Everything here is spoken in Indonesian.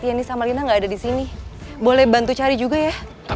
ini sama lina enggak ada di sini boleh bantu cari juga ya